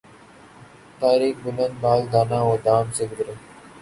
طائرک بلند بال دانہ و دام سے گزر